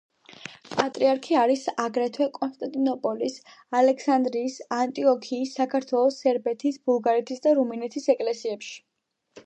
პატრიარქი არის აგრეთვე კონსტანტინოპოლის, ალექსანდრიის, ანტიოქიის, საქართველოს, სერბეთის, ბულგარეთის და რუმინეთის ეკლესიებში.